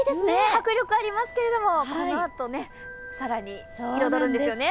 迫力ありますけれどもこのあと更に彩るんですよね。